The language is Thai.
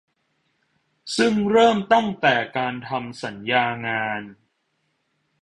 ซึ่งเริ่มตั้งแต่การทำสัญญางาน